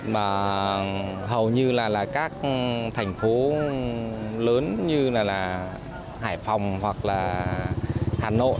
mà hầu như là các thành phố lớn như là hải phòng hoặc là hà nội và nam định